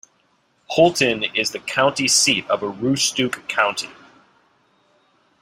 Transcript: Houlton is the county seat of Aroostook County.